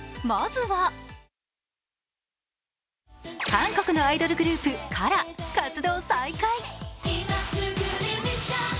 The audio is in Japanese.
韓国のアイドルグループ・ＫＡＲＡ活動再開。